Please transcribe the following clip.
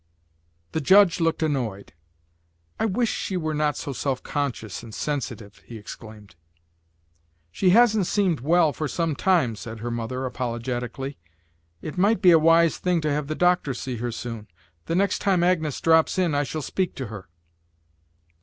The judge looked annoyed. "I wish she were not so self conscious and sensitive!" he exclaimed. "She hasn't seemed well for some time," said her mother, apologetically. "It might be a wise thing to have the doctor see her soon. The next time Agnes drops in I shall speak to her."